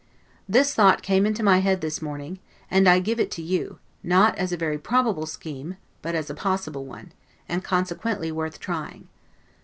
This thought came into my head this morning; and I give it to you, not as a very probable scheme, but as a possible one, and consequently worth trying.